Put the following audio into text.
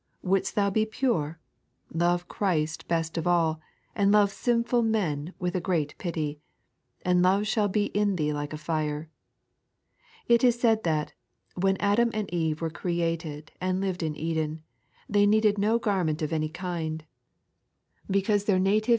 Wonldst thou be pure, love Christ best of all, and love sinful men with a great pity ; and love shall be in thee Hke a fire. It is said that, when Adam and Eve were created and lived in Eden, they needed no garment of any kind, because their native 3.